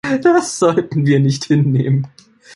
Das sollten wir nicht hinnehmen!